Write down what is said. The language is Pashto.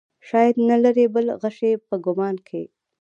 شاید نه لرې بل غشی په کمان کې.